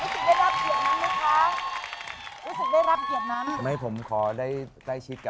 รู้สึกได้รับเกียรตินั้นหรือคะ